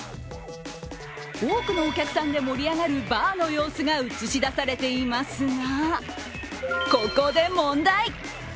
多くのお客さんで盛り上がるバーの様子が映し出されていますが、ここで問題。